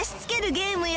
ゲームや